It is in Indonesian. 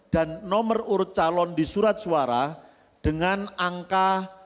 dan nomor urut calon di surat suara dengan angka satu